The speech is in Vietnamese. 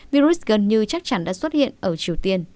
virus gần như chắc chắn đã xuất hiện ở triều tiên